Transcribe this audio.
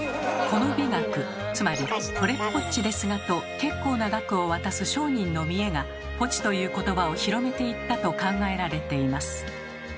この美学つまり「これっぽっちですが」と結構な額を渡す商人の見栄が「ぽち」という言葉を広めていったと考えられています。